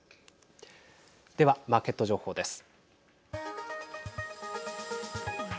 ではマーケット情報です。